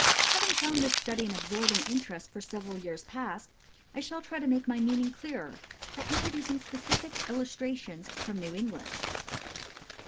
Having found this study an absorbing interest for several years past, I shall try to make my meaning clearer by introducing specific illustrations from New England.